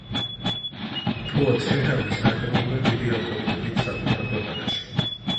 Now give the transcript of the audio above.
ფუად შეჰაბი სარგებლობდა დიდი ავტორიტეტით საკუთარ ქვეყანაში.